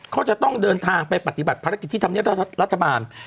เขาจะต้องเดินทางไปปฏิบัติภารกิจที่ธรรมเนียบรัฐบาล